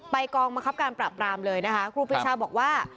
กองบังคับการปราบรามเลยนะคะครูปีชาบอกว่า